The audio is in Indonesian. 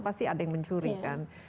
pasti ada yang mencurikan